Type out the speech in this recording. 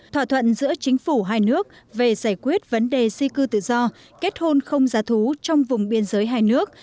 thỏa thuận giữa chính phủ hai nước về giải quyết vấn đề di cư tự do kết hôn không giá thú trong vùng biên giới hai nước